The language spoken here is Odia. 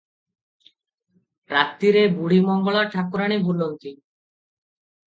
ରାତିରେ ବୁଢ଼ୀମଙ୍ଗଳା ଠାକୁରାଣୀ ବୁଲନ୍ତି ।